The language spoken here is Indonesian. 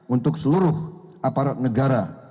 untuk seluruh aparat negara